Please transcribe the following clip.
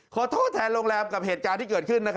ขอโทษแทนโรงแรมกับเหตุการณ์ที่เกิดขึ้น